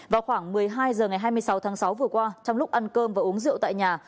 vào khoảng một mươi hai h ngày hai mươi sáu tháng sáu vừa qua trong lúc ăn cơm và uống rượu tại nhà